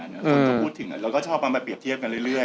คนก็พูดถึงเราก็ชอบเอามาเปรียบเทียบกันเรื่อย